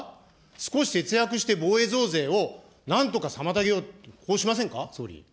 少し節約して、防衛増税をなんとか妨げよう、こうしませんか、総理。